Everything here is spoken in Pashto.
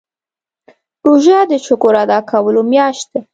روژه د شکر ادا کولو میاشت ده.